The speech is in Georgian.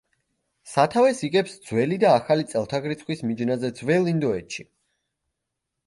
სათავეს იღებს ძველი და ახალი წელთაღრიცხვის მიჯნაზე ძველ ინდოეთში.